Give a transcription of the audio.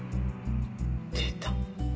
出た。